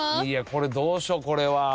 これどうしようこれは。